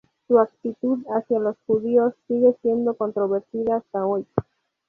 Su actitud hacia los judíos sigue siendo controvertida hasta hoy.